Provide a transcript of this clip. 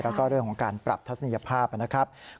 แล้วก็เรื่องของการปรับทัศนียภาพนะครับ